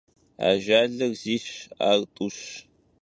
Ajjalır zış, ar t'uş.